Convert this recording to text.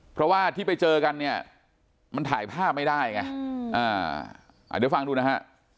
เพราะว่าที่ไปเจอกันเนี่ยมันถ่ายภาพไม่ได้ไงเดี๋ยวฟังดูนะฮะ